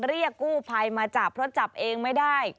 เรียกกู้ภัยมาจับเพราะจับเองไม่ได้